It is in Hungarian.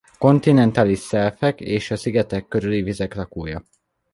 A kontinentális selfek és a szigetek körüli vizek lakója.